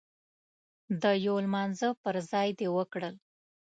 د يو لمانځه پر ځای دې وکړل.